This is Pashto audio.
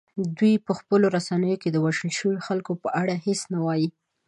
دوی په خپلو رسنیو کې د وژل شویو خلکو په اړه هیڅ نه وايي